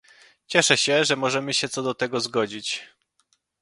Cieszę się, że możemy się co do tego zgodzić